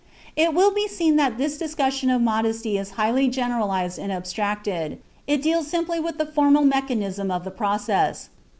It will be seen that this discussion of modesty is highly generalized and abstracted; it deals simply with the formal mechanism of the process.